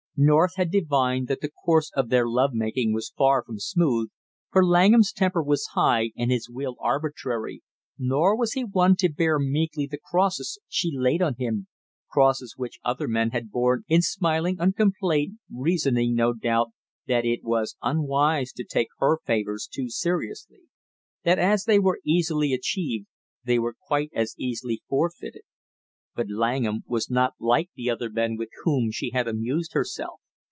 North had divined that the course of their love making was far from smooth, for Langham's temper was high and his will arbitrary, nor was he one to bear meekly the crosses she laid on him, crosses which other men had borne in smiling uncomplaint, reasoning no doubt, that it was unwise to take her favors too seriously; that as they were easily achieved they were quite as easily forfeited. But Langham was not like the other men with whom she had amused herself.